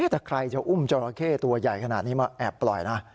แต่ใครจะอุ้มจราเข้ตัวใหญ่ขนาดนี้มาแอบปล่อยนะ